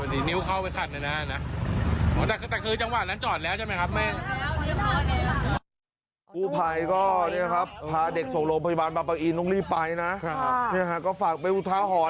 ลูกยกขาลงแล้วก็ยกขาขึ้นยกขาแล้วขัดทุกโต้